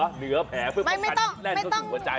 เหนือแผลเพื่อก็ขันแรงเข้าถึงหัวใจ